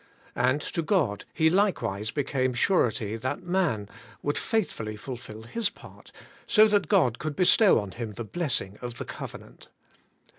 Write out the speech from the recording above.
And to God He like wise became surety that man would faithfully fulfil his part, so that God could bestow on him the blessing of the covenant.